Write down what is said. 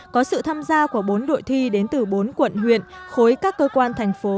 có sự tham gia của bốn đội thi đến từ bốn quận huyện khối các cơ quan thành phố